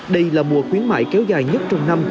đây là mùa khuyến mại kéo dài nhất trong năm